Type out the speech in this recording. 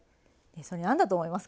それ何だと思いますか？